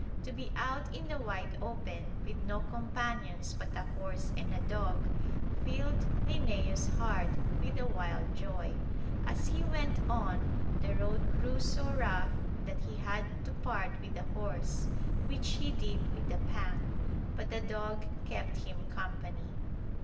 To be out in the wide open, with no companions but a horse and a dog, filled Linnæus' heart with a wild joy. As he went on, the road grew so rough that he had to part with the horse, which he did with a pang, but the dog kept him company.